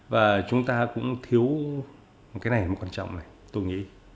và chúng ta cũng thiếu cái này là một quan trọng này tôi nghĩ